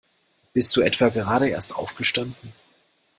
Bist du etwa gerade erst aufgestanden?